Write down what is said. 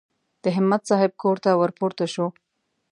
د همت صاحب کور ته ور پورته شوو.